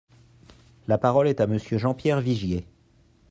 La parole est à Monsieur Jean-Pierre Vigier.